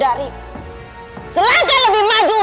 aku belum semakin jelas